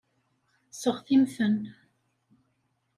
Seɣtimt-ten.